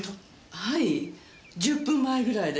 はい１０分前ぐらいです。